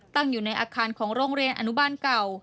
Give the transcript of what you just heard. ตั้งอยู่ในอาคารของโรงเรียนอนุบาลเก่า